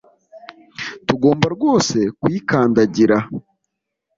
tugomba rwose kuyikandagira